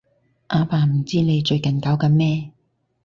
阿爸唔知你最近搞緊咩